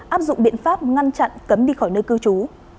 áp dụng biện pháp ngăn chặn cấm đi khỏi nơi cư trú